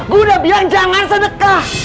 gue udah bilang jangan sedekah